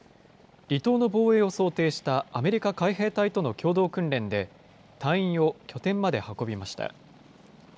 離島の防衛を想定したアメリカ海兵隊との共同訓練で、隊員を拠点まで運びました。